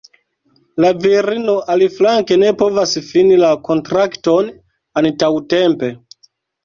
La virino aliflanke ne povas fini la kontrakton antaŭtempe.